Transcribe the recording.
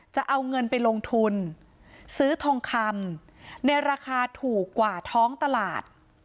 จะเอาเงินไปลงทุนซื้อทองคำในราคาถูกกว่าท้องตลาด